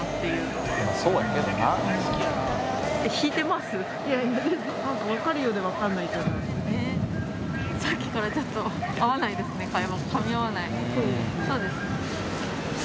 いいね。